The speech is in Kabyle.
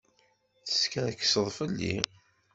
Teskerkseḍ fell-i.